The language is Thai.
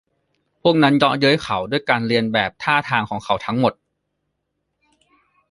พวกนั้นเยาะเย้ยเขาด้วยการเลียนแบบท่าทางของเขาทั้งหมด